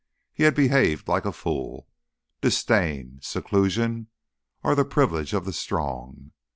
He had behaved like a fool. Disdain, seclusion, are the privilege of the strong.